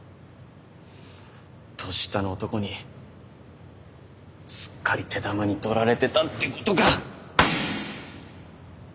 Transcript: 年下の男にすっかり手玉に取られてたってことか！